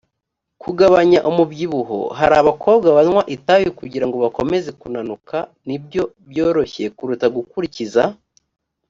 kugabanya umubyibuho hari abakobwa banywa itabi kugira ngo bakomeze kunanuka ni byo byoroshye kuruta gukurikiza